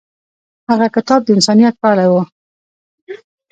هغه کتاب د انسانیت په اړه و.